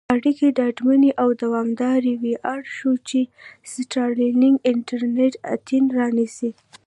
اړیکې ډاډمنې او دوامدارې وي اړ شو، چې سټارلېنک انټرنېټ انتن رانیسي.